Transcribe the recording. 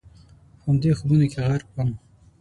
په همدې خوبونو کې غرق ووم.